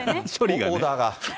オーダーが。